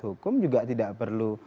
hukum juga tidak perlu